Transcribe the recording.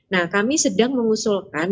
nah kami sedang mengusulkan